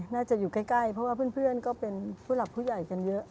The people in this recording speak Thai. น่าจะอยู่ใกล้เพราะว่าเพื่อนก็เป็นผู้หลักผู้ใหญ่กันเยอะ